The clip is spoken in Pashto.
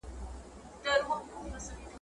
په فریاد یې وو پر ځان کفن څیرلی ,